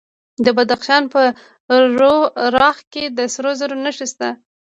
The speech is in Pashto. د بدخشان په راغ کې د سرو زرو نښې شته.